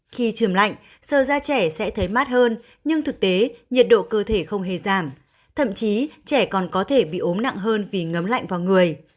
khi trường lạnh sơ da trẻ sẽ thấy mát hơn nhưng thực tế nhiệt độ cơ thể không hề giảm thậm chí trẻ còn có thể bị ốm nặng hơn vì ngấm lạnh vào người